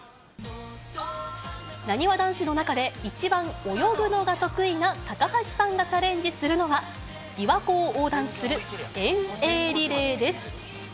なにわ男子の中で、一番泳ぐのが得意な高橋さんがチャレンジするのは、琵琶湖を横断する遠泳リレーです。